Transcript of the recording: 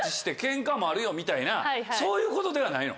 みたいなそういうことではないの？